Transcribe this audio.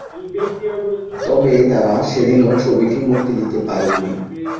তবে তারা সেদিন ও ছবিটি মুক্তি দিতে পারেননি।